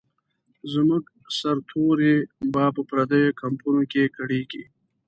زموږ سرتوري به په پردیو کمپونو کې کړیږي.